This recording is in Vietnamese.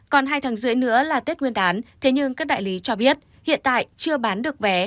còn hai tháng rưỡi nữa là tết nguyên đán thế nhưng các đại lý cho biết hiện tại chưa bán được vé